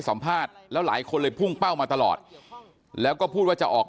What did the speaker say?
สัมภาษณ์แล้วหลายคนเลยพุ่งเป้ามาตลอดแล้วก็พูดว่าจะออก